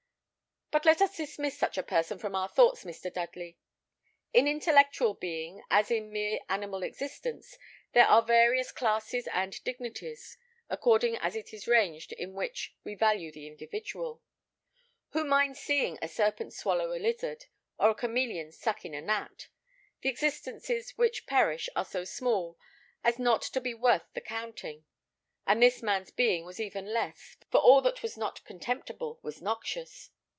But let us dismiss such a person from our thoughts, Mr. Dudley. In intellectual being, as in mere animal existence, there are various classes and dignities, according as he is ranged in which, we value the individual. Who minds seeing a serpent swallow a lizard, or a chameleon suck in a gnat? The existences which perish are so small as not to be worth the counting; and this man's being was even less, for all that was not contemptible was noxious.